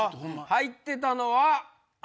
入ってたのは。